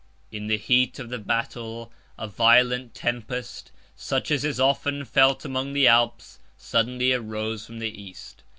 In the heat of the battle, a violent tempest, 120 such as is often felt among the Alps, suddenly arose from the East.